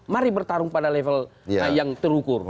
mari bertarung pada level yang terukur